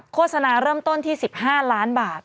โฆษณาเริ่มต้นที่๑๕ล้านบาท